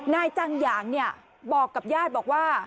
นายจังหยางเนี่ยบอกกับญาติบอกว่า